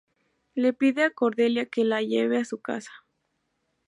Le pide a Cordelia que la lleve a su casa.